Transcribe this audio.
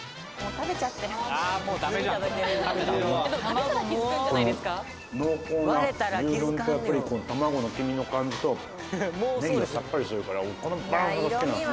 うまいこの濃厚な牛丼とやっぱりこう卵の黄身の感じとネギがさっぱりしてるからこのバランスが好きなんです